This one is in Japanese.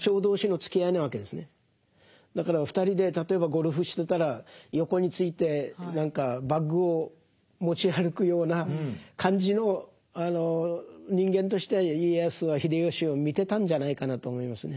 だから２人で例えばゴルフしてたら横について何かバッグを持ち歩くような感じの人間として家康は秀吉を見てたんじゃないかなと思いますね。